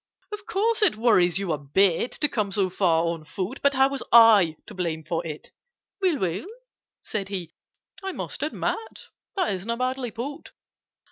"Of course it worries you a bit To come so far on foot— But how was I to blame for it?" "Well, well!" said he. "I must admit That isn't badly put.